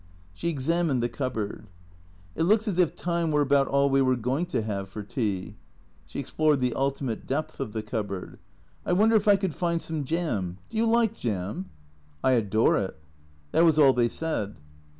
She examined the cupboard. " It looks as if time were about all we were going to have for tea." She explored the ultimate depth of the cupboard. " I wonder if I could find some jam. Do you like jam ?" "I adore it." That was all they said.